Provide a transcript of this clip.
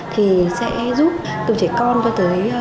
thì sẽ giúp từ trẻ con cho tới